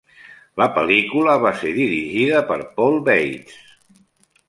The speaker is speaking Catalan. La pel·lícula va ser dirigida per Paul Weitz.